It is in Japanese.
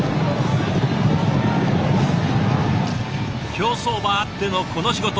競走馬あってのこの仕事。